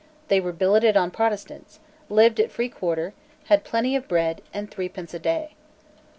They were billeted on Protestants, lived at free quarter, had plenty of bread, and threepence a day.